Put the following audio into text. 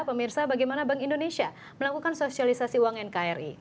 pemirsa bagaimana bank indonesia melakukan sosialisasi uang nkri